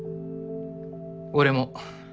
俺も。